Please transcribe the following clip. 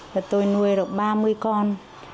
và tôi nuôi được ba mươi con